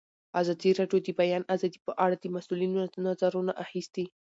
ازادي راډیو د د بیان آزادي په اړه د مسؤلینو نظرونه اخیستي.